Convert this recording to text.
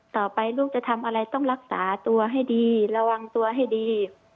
ต่อไปลูกจะทำอะไรต้องรักษาตัวให้ดีระวังตัวให้ดี